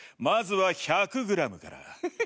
まずは１００グラムから。